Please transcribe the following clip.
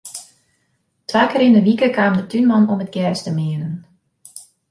Twa kear yn 'e wike kaam de túnman om it gjers te meanen.